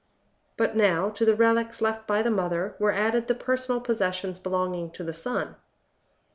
But now, to the relics left by the mother, were added the personal possessions belonging to the son.